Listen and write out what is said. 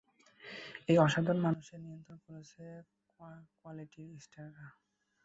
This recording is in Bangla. এই সাধারণ মানুষদের নিয়ন্ত্রিত করছে কোয়ালিস্টরা।